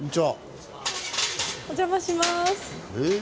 お邪魔します。